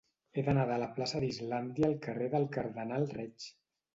He d'anar de la plaça d'Islàndia al carrer del Cardenal Reig.